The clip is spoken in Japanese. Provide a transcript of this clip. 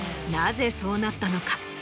なぜそうなったのか？